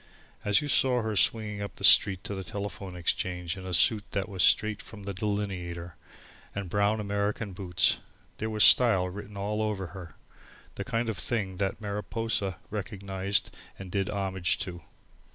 As you saw her swinging up the street to the Telephone Exchange in a suit that was straight out of the Delineator and brown American boots, there was style written all over her, the kind of thing that Mariposa recognised and did homage to.